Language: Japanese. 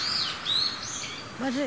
まずい。